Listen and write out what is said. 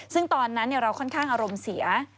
ซึ่งตอนนั้นเราค่อนข้างอารมณ์เสีย